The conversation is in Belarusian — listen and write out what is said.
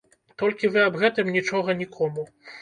Толькі вы аб гэтым нічога нікому.